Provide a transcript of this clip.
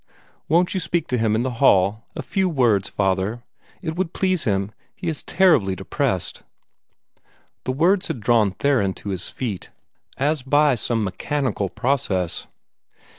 Won't you speak to him in the hall a few words, Father? It would please him. He is terribly depressed." The words had drawn Theron to his feet, as by some mechanical process.